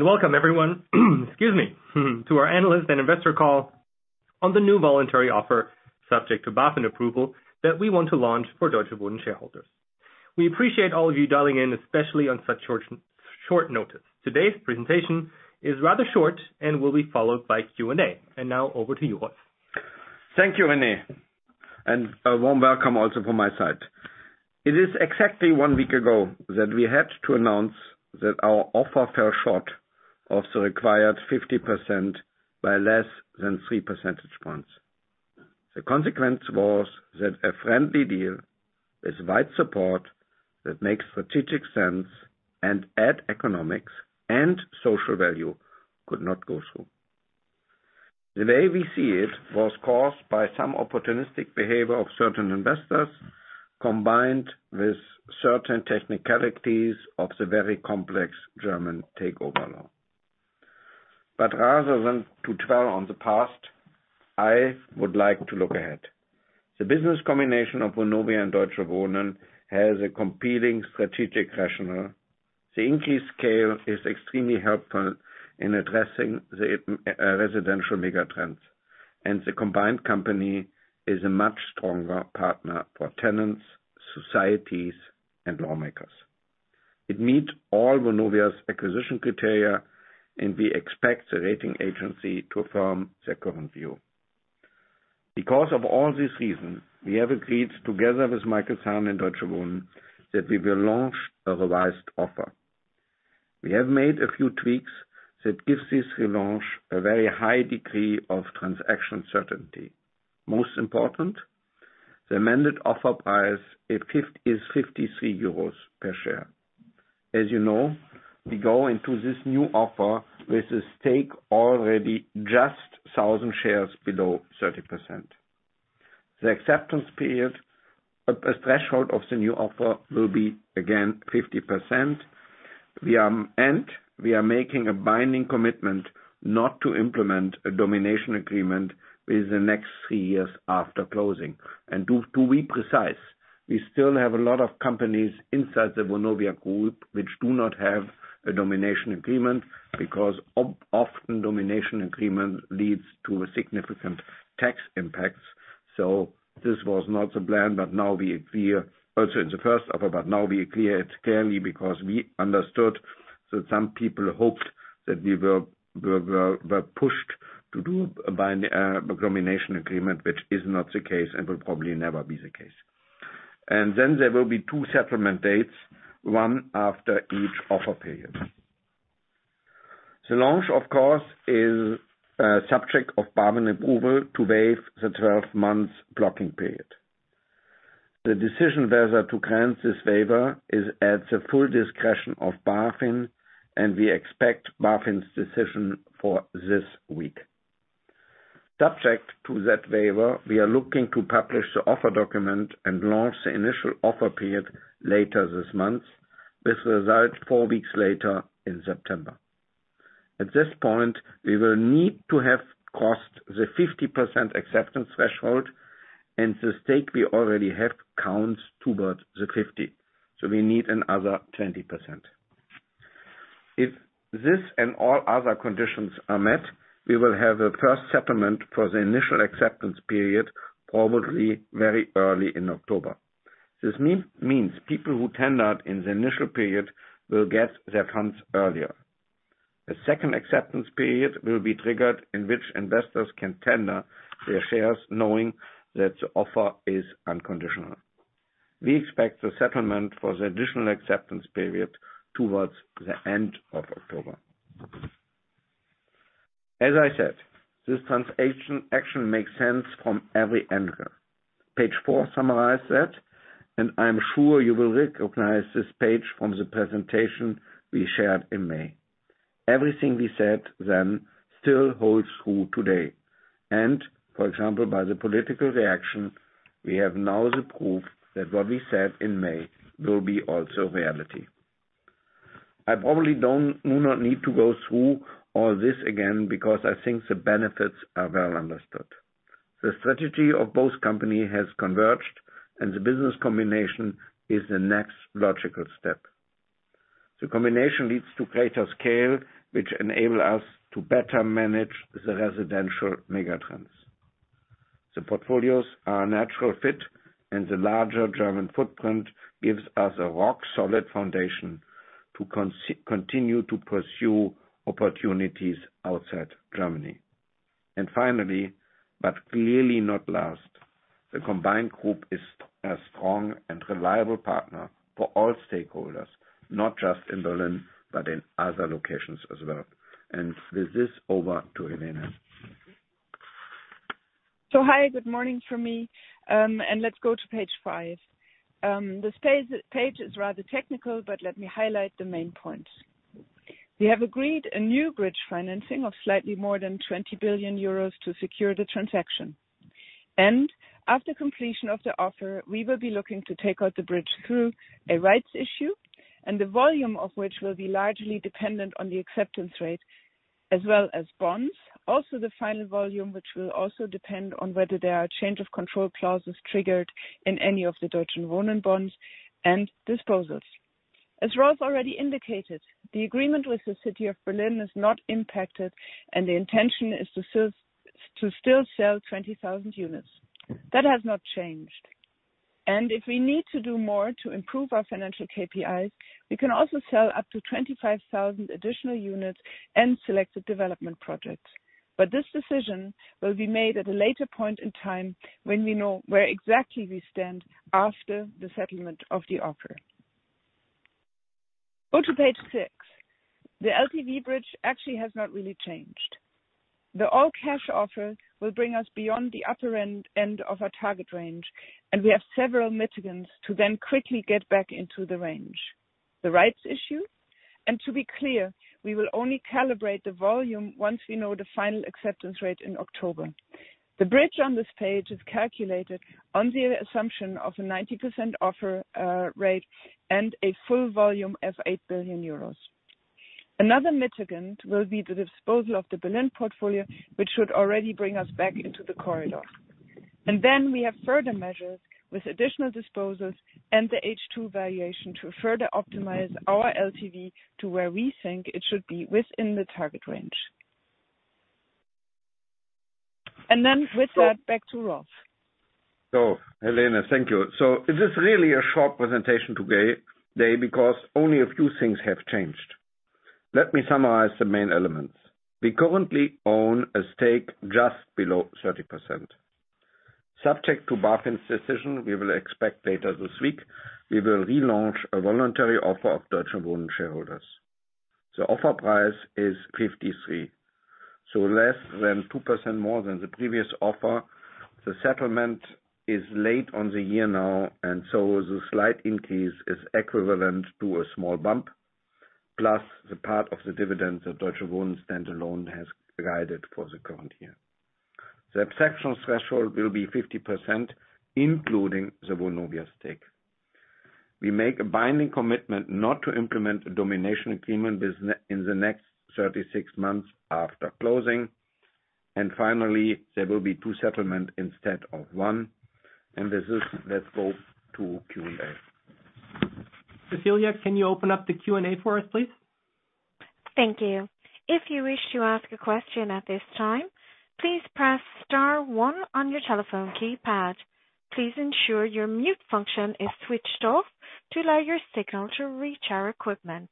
Welcome, everyone, to our analyst and investor call on the new voluntary offer subject to BaFin approval that we want to launch for Deutsche Wohnen shareholders. We appreciate all of you dialing in, especially on such short notice. Today's presentation is rather short and will be followed by Q&A. Now over to you, Rolf. Thank you, Amie, and a warm welcome also from my side. It is exactly one week ago that we had to announce that our offer fell short of the required 50% by less than three percentage points. The consequence was that a friendly deal with wide support that makes strategic sense and adds economic and social value could not go through. The way we see it was caused by some opportunistic behavior of certain investors combined with certain technicalities of the very complex German takeover law. Rather than dwell on the past, I would like to look ahead. The business combination of Vonovia and Deutsche Wohnen has a compelling strategic rationale. The increased scale is extremely helpful in addressing the residential megatrends, and the combined company is a much stronger partner for tenants, societies, and lawmakers. It meets all Vonovia's acquisition criteria, and we expect the rating agency to affirm their current view. Because of all these reasons, we have agreed together with Michael Zahn and Deutsche Wohnen that we will launch a revised offer. We have made a few tweaks that give this relaunch a very high degree of transaction certainty. Most important, the amended offer price is 53 euros per share. As you know, we go into this new offer with a stake already just 1,000 shares below 30%. The acceptance period, a threshold of the new offer, will be again 50%. We are making a binding commitment not to implement a domination agreement within the next three years after closing. To be precise, we still have a lot of companies inside the Vonovia group which do not have a domination agreement because often domination agreements lead to significant tax impacts. This was not the plan in the first offer, but now we agree it's clearly because we understood that some people hoped that we were pushed to do a domination agreement, which is not the case and will probably never be the case. There will be two settlement dates, one after each offer period. The launch, of course, is subject to BaFin approval to waive the 12-month blocking period. The decision whether to grant this waiver is at the full discretion of BaFin, and we expect BaFin's decision for this week. Subject to that waiver, we are looking to publish the offer document and launch the initial offer period later this month, with the result four weeks later in September. At this point, we will need to have crossed the 50% acceptance threshold, and the stake we already have counts toward the 50%. We need another 20%. If this and all other conditions are met, we will have a first settlement for the initial acceptance period probably very early in October. This means people who tendered in the initial period will get their funds earlier. A second acceptance period will be triggered in which investors can tender their shares knowing that the offer is unconditional. We expect the settlement for the additional acceptance period towards the end of October. As I said, this transaction action makes sense from every angle. Page four summarizes that, and I'm sure you will recognize this page from the presentation we shared in May. Everything we said then still holds true today. For example, by the political reaction, we have now the proof that what we said in May will be also reality. I probably do not need to go through all this again because I think the benefits are well understood. The strategy of both companies has converged, and the business combination is the next logical step. The combination leads to greater scale, which enables us to better manage the residential megatrends. The portfolios are a natural fit, and the larger German footprint gives us a rock-solid foundation to continue to pursue opportunities outside Germany. Finally, but clearly not last, the combined group is a strong and reliable partner for all stakeholders, not just in Berlin, but in other locations as well. With this, over to Helene. Good morning from me. Let's go to page five. This page is rather technical, but let me highlight the main points. We have agreed a new bridge financing of slightly more than 20 billion euros to secure the transaction. After completion of the offer, we will be looking to take out the bridge through a rights issue, the volume of which will be largely dependent on the acceptance rate as well as bonds. Also, the final volume will depend on whether there are change-of-control clauses triggered in any of the Deutsche Wohnen bonds and disposals. As Rolf already indicated, the agreement with the city of Berlin is not impacted, and the intention is to still sell 20,000 units. That has not changed. If we need to do more to improve our financial KPIs, we can also sell up to 25,000 additional units and selected development projects. This decision will be made at a later point in time when we know where exactly we stand after the settlement of the offer. Go to page six. The LTV bridge actually has not really changed. The all-cash offer will bring us beyond the upper end of our target range, and we have several mitigants to then quickly get back into the range. The rights issue, and to be clear, we will only calibrate the volume once we know the final acceptance rate in October. The bridge on this page is calculated on the assumption of a 90% offer rate and a full volume of 8 billion euros. Another mitigant will be the disposal of the Berlin portfolio, which should already bring us back into the corridor. We have further measures with additional disposals and the H2 valuation to further optimize our LTV to where we think it should be within the target range. With that, back to Rolf. Helene, thank you. It is really a short presentation today because only a few things have changed. Let me summarize the main elements. We currently own a stake just below 30%. Subject to BaFin's decision, which we will expect later this week, we will relaunch a voluntary offer for Deutsche Wohnen shareholders. The offer price is 53, so less than 2% more than the previous offer. The settlement is later in the year now, and the slight increase is equivalent to a small bump, plus the part of the dividend that Deutsche Wohnen standalone has provided for the current year. The acceptance threshold will be 50%, including the Vonovia stake. We make a binding commitment not to implement a domination agreement in the next 36 months after closing. Finally, there will be two settlements instead of one. With this, let's go to Q&A. Cecilia, can you open up the Q&A for us, please? Thank you. If you wish to ask a question at this time, please press star one on your telephone keypad. Please ensure your mute function is switched off to allow your signal to reach our equipment.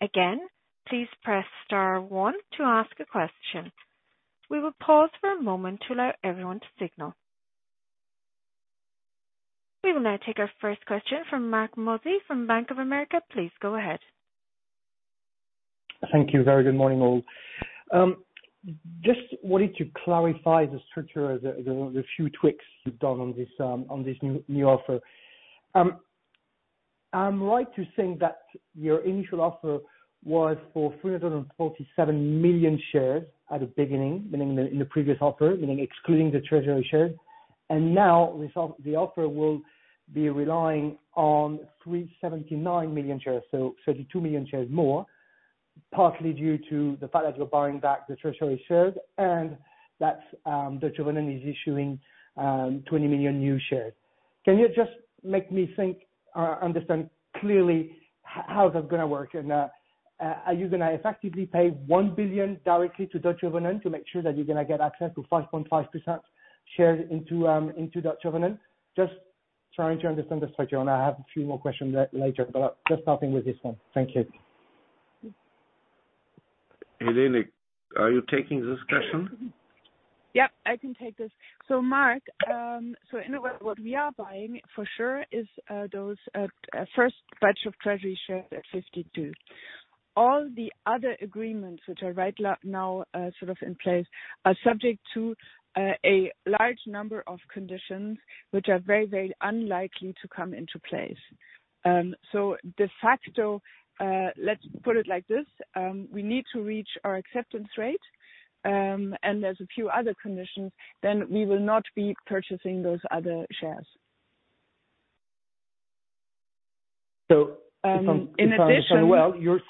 Again, please press star one to ask a question. We will pause for a moment to allow everyone to signal. We will now take our first question from Mark Mozzi from Bank of America. Please go ahead. Thank you. Very good morning, all. I just wanted to clarify the structure of the few tweaks you've done on this new offer. I'm right to think that your initial offer was for 347 million shares at the beginning, meaning in the previous offer, meaning excluding the treasury shares. Now, the offer will be relying on 379 million shares, so 32 million shares more, partly due to the fact that you're buying back the treasury shares and that Deutsche Wohnen is issuing 20 million new shares. Can you just make me think or understand clearly how that's going to work? Are you going to effectively pay 1 billion directly to Deutsche Wohnen to make sure that you're going to get access to 5.5% shares into Deutsche Wohnen? Just trying to understand the structure. I have a few more questions later, but just starting with this one. Thank you. Helene, are you taking this question? I can take this. Mark, in a way, what we are buying for sure is those first batch of treasury shares at 52. All the other agreements, which are right now sort of in place, are subject to a large number of conditions, which are very, very unlikely to come into place. De facto, let's put it like this. We need to reach our acceptance rate, and there's a few other conditions. Then we will not be purchasing those other shares. In addition, your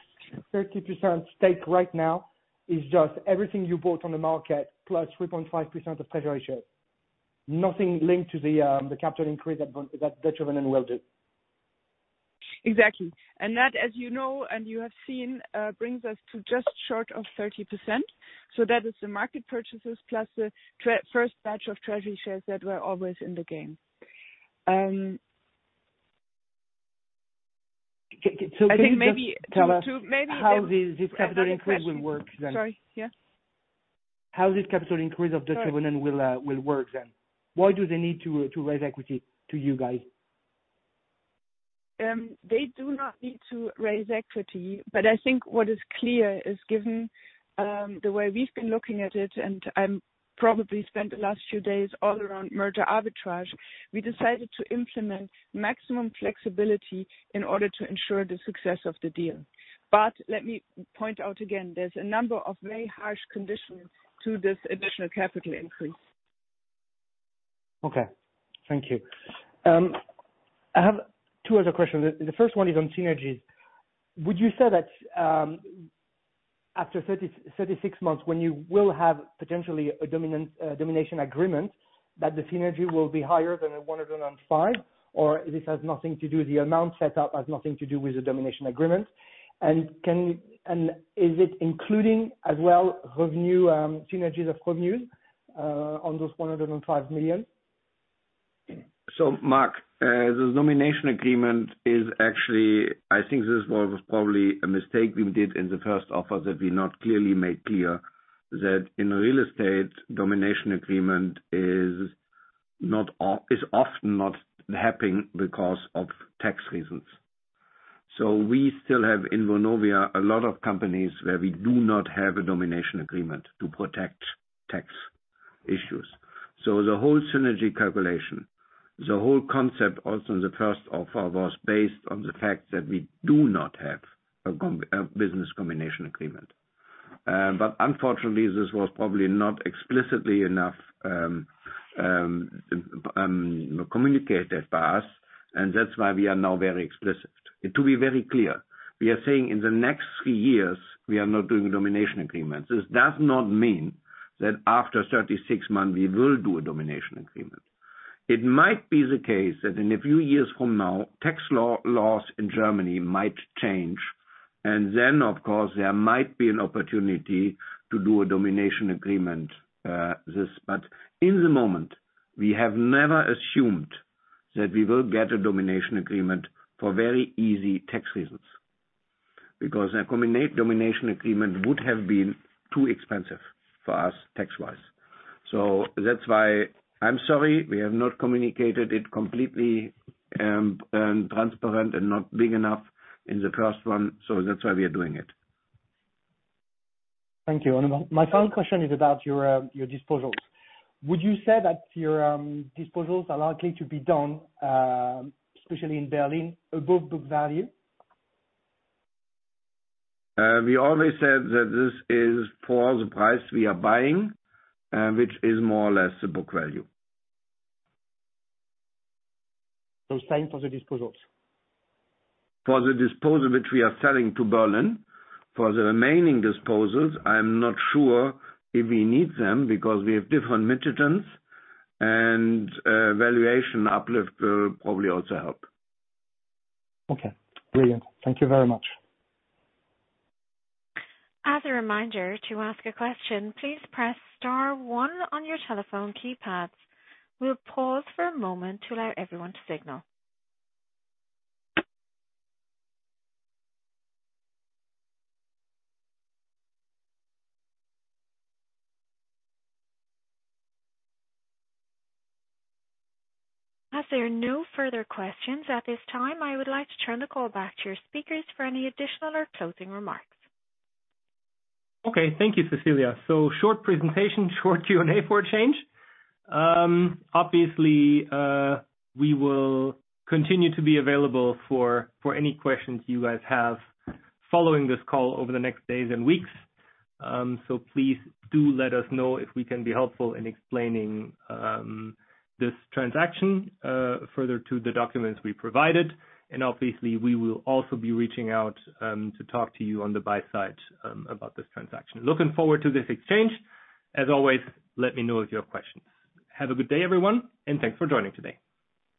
30% stake right now is just everything you bought on the market plus 3.5% of treasury shares. Nothing is linked to the capital increase that Deutsche Wohnen will do. Exactly. That, as you know and you have seen, brings us to just short of 30%. That is the market purchases plus the first batch of treasury shares that were always in the game. Can you tell us how this capital increase will work then? Sorry, yeah? How is this capital increase of Deutsche Wohnen going to work then? Why do they need to raise equity to you guys? They do not need to raise equity, but I think what is clear is, given the way we've been looking at it, and I've probably spent the last few days all around merger arbitrage, we decided to implement maximum flexibility in order to ensure the success of the deal. Let me point out again, there's a number of very harsh conditions to this additional capital increase. Okay. Thank you. I have two other questions. The first one is on synergies. Would you say that after 36 months, when you will have potentially a domination agreement, that the synergy will be higher than 105 million? Or this has nothing to do, the amount set up has nothing to do with the domination agreement? Can you, and is it including as well synergies of revenues, on those 105 million? Mark, the domination agreement is actually, I think this was probably a mistake we did in the first offer that we not clearly made clear that in real estate, the domination agreement is often not happening because of tax reasons. We still have in Vonovia a lot of companies where we do not have a domination agreement to protect tax issues. The whole synergy calculation, the whole concept also in the first offer was based on the fact that we do not have a business combination agreement. Unfortunately, this was probably not explicitly enough communicated by us, and that's why we are now very explicit. To be very clear, we are saying in the next three years, we are not doing a domination agreement. This does not mean that after 36 months, we will do a domination agreement. It might be the case that in a few years from now, tax laws in Germany might change, and then, of course, there might be an opportunity to do a domination agreement. In the moment, we have never assumed that we will get a domination agreement for very easy tax reasons. Because a domination agreement would have been too expensive for us tax-wise. I'm sorry, we have not communicated it completely, and transparent and not big enough in the first one. That's why we are doing it. Thank you. My final question is about your disposals. Would you say that your disposals are likely to be done, especially in Berlin, above book value? We always said that this is for the price we are buying, which is more or less the book value. the same for the disposals? For the disposal which we are selling to Berlin, for the remaining disposals, I'm not sure if we need them because we have different mitigants, and valuation uplift will probably also help. Okay. Brilliant. Thank you very much. As a reminder, to ask a question, please press star one on your telephone keypads. We'll pause for a moment to allow everyone to signal. If there are no further questions at this time, I would like to turn the call back to your speakers for any additional or closing remarks. Okay. Thank you, Cecilia. Short presentation, short Q&A for a change. Obviously, we will continue to be available for any questions you guys have following this call over the next days and weeks. Please do let us know if we can be helpful in explaining this transaction further to the documents we provided. Obviously, we will also be reaching out to talk to you on the buy side about this transaction. Looking forward to this exchange. As always, let me know if you have questions. Have a good day, everyone, and thanks for joining today.